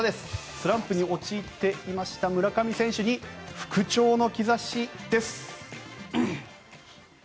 スランプに陥っていました村上選手に復調の兆しです。